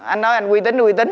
anh nói anh quy tính thì quy tính